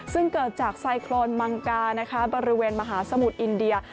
ซึ่งเกิดจากไซโครนมังกานะคะบริเวณมหาสมุทรอินเดีย